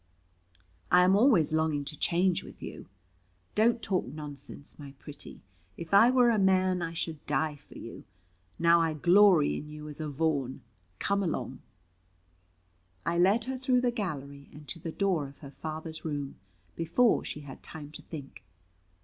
I am always longing to change with you." "Don't talk nonsense, my pretty; if I were a man I should die for you. Now I glory in you as a Vaughan. Come along." I led her through the gallery and to the door of her father's room, before she had time to think.